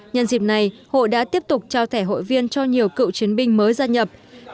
nhân dịp này hội đã tiếp tục trao thẻ hội viên cho nhiều cựu chiến binh